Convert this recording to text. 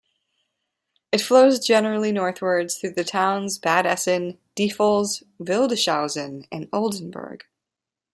It flows generally northwards through the towns Bad Essen, Diepholz, Wildeshausen and Oldenburg.